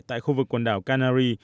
tại khu vực quần đảo canary